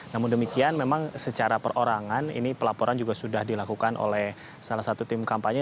namun demikian memang secara perorangan ini pelaporan juga sudah dilakukan oleh salah satu tim kampanye